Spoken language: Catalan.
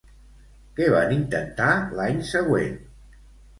Què van intentar l'any següent?